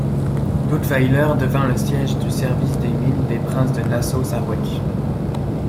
Dudweiler devint le siège du service des mines des princes de Nassau-Sarrebruck.